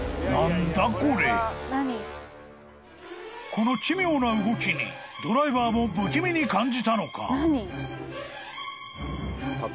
［この奇妙な動きにドライバーも不気味に感じたのか］